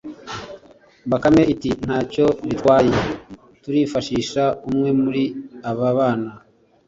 bakame iti:” nta cyo bitwaye, turifashisha umwe muri aba bana”